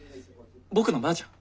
僕のばあちゃん。